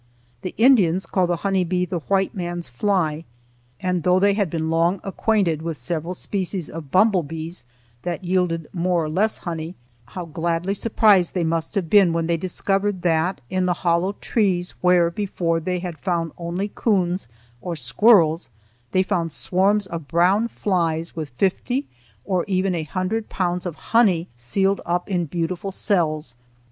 The Indians call the honey bee the white man's fly; and though they had long been acquainted with several species of bumblebees that yielded more or less honey, how gladly surprised they must have been when they discovered that, in the hollow trees where before they had found only coons or squirrels, they found swarms of brown flies with fifty or even a hundred pounds of honey sealed up in beautiful cells.